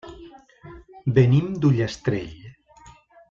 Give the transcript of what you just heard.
Venim d'Ullastrell.